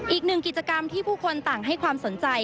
อีกหนึ่งกิจกรรมที่ผู้คนต่างให้ความสนใจ